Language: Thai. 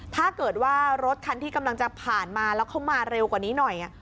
ถ้าเกิดว่ารถคันที่กำลังจะผ่านมาแล้วเขามาเร็วกว่านี้หน่อย